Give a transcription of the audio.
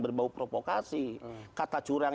berbau provokasi kata curang